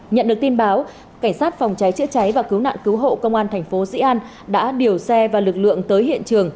nhận được tin báo cảnh sát phòng cháy chữa cháy và cứu nạn cứu hộ công an thành phố dĩ an đã điều xe và lực lượng tới hiện trường